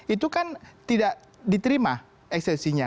itu kan tidak diterima eksesinya